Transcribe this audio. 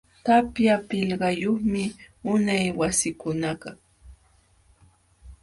Tapya pilqayumi unay wasikunakaq.